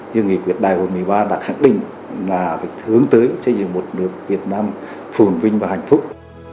như nghị quyết đại hội một mươi ba đã khẳng định là phải hướng tới chế diện một nước việt nam phùn vinh và hạnh phúc